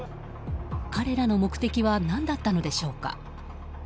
彼らの目的は何だったのでしょうか。